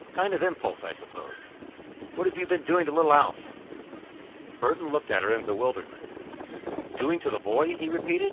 Kind of impulse, I suppose. What have you been doing to little Alf?" Burton looked at her in bewilderment. "Doing to the boy?" he repeated.